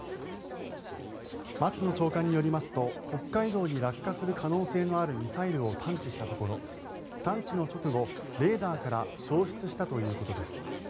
松野長官によりますと北海道に落下する可能性のあるミサイルを探知したところ探知の直後、レーダーから消失したということです。